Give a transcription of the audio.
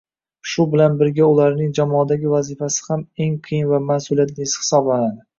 Shu bilan birga ularning jamoadagi vazifasi ham eng qiyin va ma’suliyatlisi hisoblanadi